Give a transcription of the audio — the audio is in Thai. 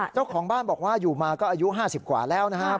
เจ้าของบ้านบอกว่าอยู่มาก็อายุ๕๐กว่าแล้วนะครับ